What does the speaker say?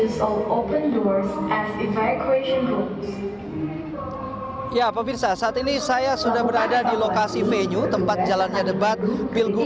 sebagai rumah pemilu